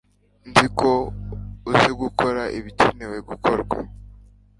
nzi ko uzi gukora ibikenewe gukorwa